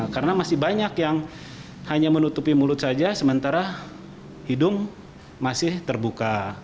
karena masih banyak yang hanya menutupi mulut saja sementara hidung masih terbuka